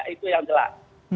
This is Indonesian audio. itu yang jelas